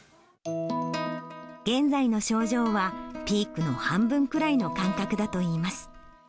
現在の症状はピークの半分くらいの感覚だといいます。